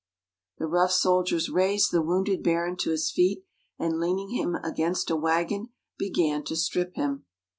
The rough soldiers raised the wounded Baron to his feet, and, leaning him against a wagon, began to strip him.